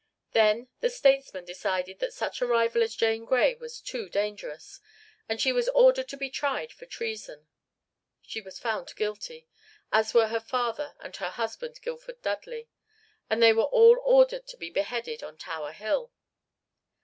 Then the statesmen decided that such a rival as Jane Grey was too dangerous, and she was ordered to be tried for treason. She was found guilty, as were her father and her husband Guildford Dudley, and they were all ordered to be beheaded on Tower Hill.